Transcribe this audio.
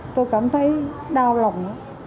tôi cảm thấy đau lòng